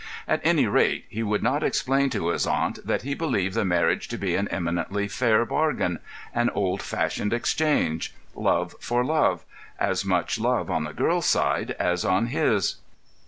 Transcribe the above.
At any rate, he would not explain to his aunt that he believed the marriage to be an eminently fair bargain—an old fashioned exchange—love for love—as much love on the girl's side as on his.